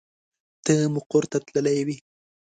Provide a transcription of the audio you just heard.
ته مقر ته تللې وې.